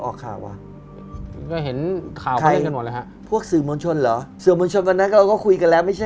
ใครเป็นคนออกข่าวว่ะ